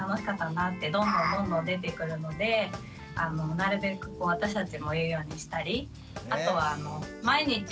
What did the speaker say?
なるべくこう私たちも言うようにしたり。